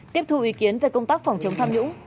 tiếp thu ý kiến về công tác phòng chống tham nhũng